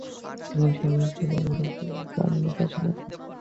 তিনি সহজ-সরল সুরে আঞ্চলিক ভাষায় প্রায় সহস্রাধিক গান রচনা করেন।